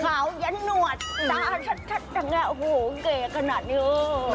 ขาวยังหนวดตาชัดจังแห้งโหเก่กขนาดนี้